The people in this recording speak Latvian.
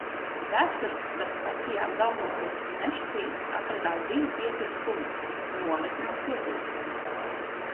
Vēsturiski starp stacijām Daugavpils un Mežciems atradās divi pieturas punkti: Nometne un Cietoksnis.